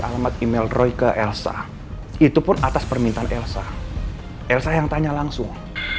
alamat email roy ke elsa itupun atas permintaan elsa elsa yang tanya langsung